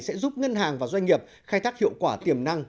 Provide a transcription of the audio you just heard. sẽ giúp ngân hàng và doanh nghiệp khai thác hiệu quả tiềm năng